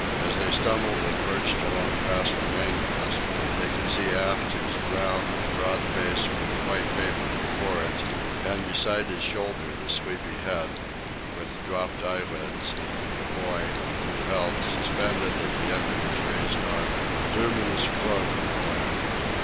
As they stumbled and lurched along past the mainmast, they could see aft his round, broad face with a white paper before it, and beside his shoulder the sleepy head, with dropped eyelids, of the boy, who held, suspended at the end of his raised arm, the luminous globe of a lamp.